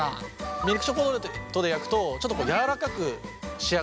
ミルクチョコレートで焼くとちょっとやわらかく仕上がっちゃうんですね。